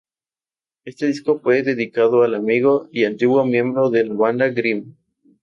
Éste disco fue dedicado al amigo y antiguo miembro de la banda Grim.